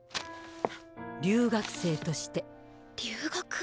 留学生として」。留学？